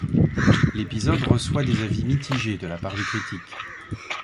L'épisode reçoit des avis mitigés de la part des critiques.